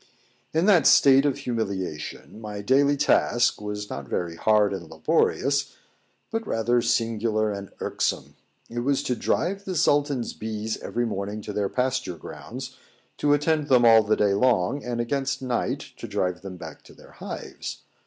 ] In that state of humiliation my daily task was not very hard and laborious, but rather singular and irksome. It was to drive the Sultan's bees every morning to their pasture grounds, to attend them all the day long, and against night to drive them back to their hives.